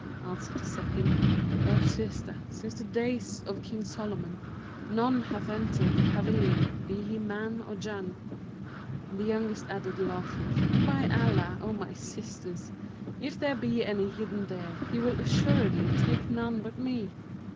Answered the second, 'O sister, since the days of King Solomon none hath entered the pavilion, be he man or Jann;' and the youngest added, laughing, 'By Allah, O my sisters, if there be any hidden there, he will assuredly take none but me.'